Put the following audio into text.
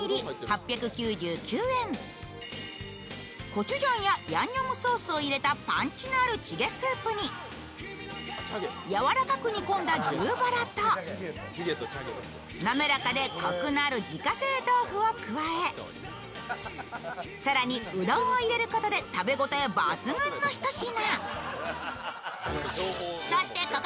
コチュジャンやヤンニョムソースを入れたパンチのあるチゲスープに、やわらかく煮込んだ牛バラとなめらかでコクのある自家製豆腐を加え更に、うどんを入れることで食べ応え抜群のひと品。